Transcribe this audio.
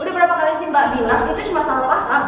udah berapa kali sih mbak bilang itu cuma soal roh akal